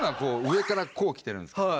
こう来てるんですけど。